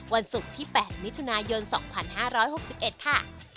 วันศุกร์ที่๘มิถุนายน๒๕๖๑ค่ะ